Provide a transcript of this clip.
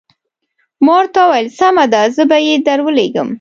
ما ورته وویل سمه ده زه به یې درولېږم.